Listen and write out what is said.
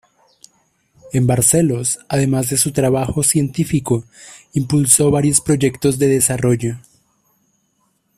En Barcelos, además de su trabajo científico, impulsó varios proyectos de desarrollo.